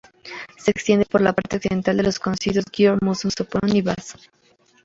Se extiende por la parte occidental de los condados de Győr-Moson-Sopron y Vas.